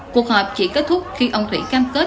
cuộc họp chỉ kết thúc khi ông thủy cam kết